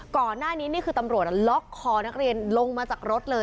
ก่อนหน้านี้นี่คือตำรวจล็อกคอนักเรียนลงมาจากรถเลย